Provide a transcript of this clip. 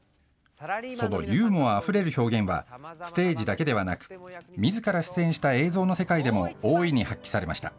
そのユーモアあふれる表現は、ステージだけではなく、みずから出演した映像の世界でも大いに発揮されました。